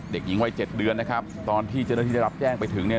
เด็กหญิงวัยเจ็ดเดือนนะครับตอนที่เจ้าหน้าที่ได้รับแจ้งไปถึงเนี่ย